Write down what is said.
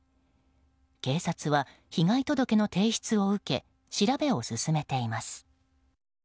警察は被害届の提出を受け調べを進めています。